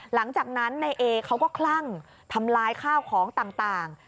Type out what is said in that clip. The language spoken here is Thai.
หลังจากนั้นนายเอเขาก็คลั่งทำลายข้าวของต่าง